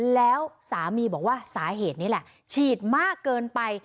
แล้วสามีบอกว่าสาเหตุนี้แหละ